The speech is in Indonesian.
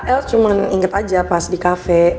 el cuma inget aja pas di kafe